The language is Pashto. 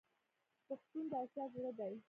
پښتون د اسیا زړه دی.